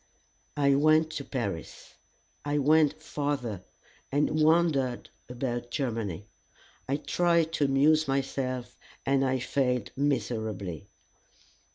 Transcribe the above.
I went to Paris. I went farther, and wandered about Germany. I tried to amuse myself, and I failed miserably.